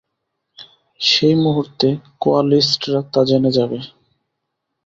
সেই মুহুর্তে কোয়ালিস্টরা তা জেনে যাবে।